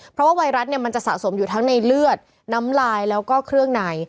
เพราะว่าไวรัสมันจะสะสมอยู่ทั้งในเลือดน้ำลายแล้วก็เครื่องใน